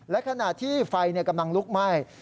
และขณะที่ไฟกำลังลุกไหม้